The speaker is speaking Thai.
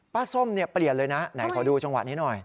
ส้มเนี่ยเปลี่ยนเลยนะไหนขอดูจังหวะนี้หน่อย